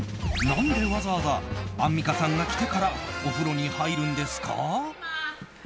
何でわざわざアンミカさんが来てからお風呂に入るんですか？